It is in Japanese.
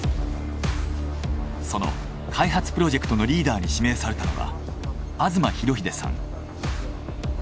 その開発プロジェクトのリーダーに指名されたのが。